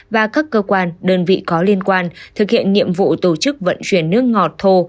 và các cơ quan đơn vị có liên quan thực hiện nhiệm vụ tổ chức vận chuyển nước ngọt thô